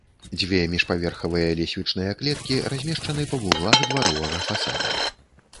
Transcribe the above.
Дзве міжпаверхавыя лесвічныя клеткі размешчаны па вуглах дваровага фасада.